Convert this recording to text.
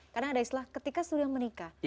karena ada islah ketika sudah menikah